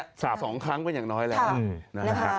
พูดอย่างนี้ชัดอย่างนี้๒ครั้งเป็นอย่างน้อยแล้ว